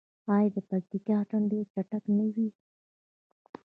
آیا د پکتیا اتن ډیر چټک نه وي؟